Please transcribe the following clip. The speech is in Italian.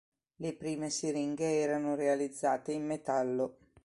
Le prime siringhe erano realizzate in metallo.